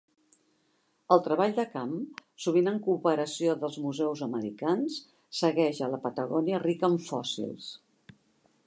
El treball de camp, sovint en cooperació dels museus americans, segueix a la Patagònia rica en fòssils.